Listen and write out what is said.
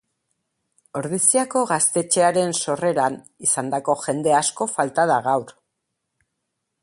Ordiziako Gaztetxearen sorreran izandako jende asko falta da gaur.